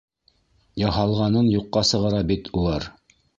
Яһалғанын юҡҡа сығара бит улар!